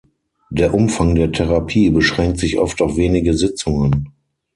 Der Umfang der Therapie beschränkt sich oft auf wenige Sitzungen.